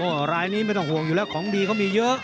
รายนี้ไม่ต้องห่วงอยู่แล้วของดีเขามีเยอะ